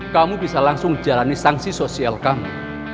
kamu bisa langsung jalani sanksi sosial kami